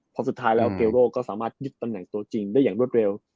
เพราะสุดท้ายแล้วเกโร่ก็สามารถยึดตำแหน่งตัวจริงได้อย่างรวดเร็ว